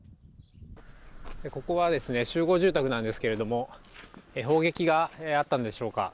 ここは集合住宅なんですけれども砲撃があったんでしょうか。